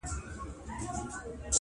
هر څوک له بل څخه لرې او جلا ښکاري-